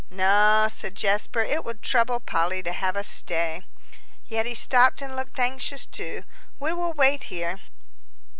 "No," said Jasper; "it would trouble Polly to have us stay." Yet he stopped and looked anxious too. "We will wait here."